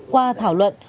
qua thảo luận